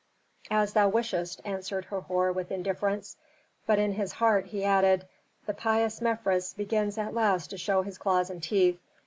"As thou wishest," answered Herhor with indifference. But in his heart he added: "The pious Mefres begins at last to show his claws and teeth.